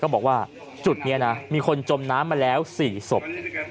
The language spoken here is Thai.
บอกว่าจุดนี้นะมีคนจมน้ำมาแล้ว๔ศพ